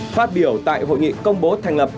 phát biểu tại hội nghị công bố thành lập